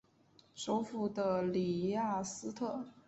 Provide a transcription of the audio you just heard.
首府的里雅斯特。